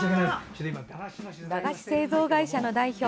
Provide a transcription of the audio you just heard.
駄菓子製造会社の代表